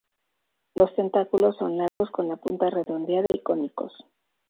Los tentáculos son largos, con la punta redondeada y cónicos.